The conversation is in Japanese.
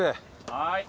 はい。